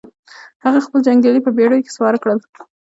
هغه خپل جنګيالي په بېړيو کې سپاره کړل.